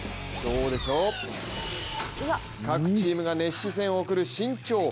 各チームが熱視線を送る身長。